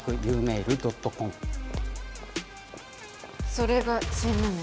それがチーム名？